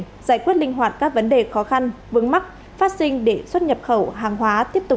giải quyết linh hoạt các vấn đề khó khăn vướng mắc phát sinh để xuất nhập khẩu hàng hóa tiếp tục